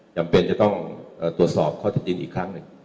จำเป็นจะต้องตรวจสอบข้อเท็จจริงอีกครั้งหนึ่ง